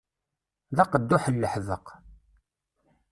D aqedduḥ n leḥbeq.